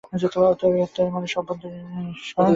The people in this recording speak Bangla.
অতএব এই আত্মাই মানুষের অভ্যন্তরস্থ ঈশ্বর।